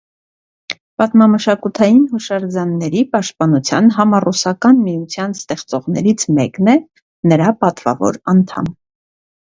Պատմամշակութային հուշարձանների պաշտպանության համառուսական միության ստեղծողներից մեկն է, նրա պատվավոր անդամ։